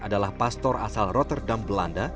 adalah pastor asal rotterdam belanda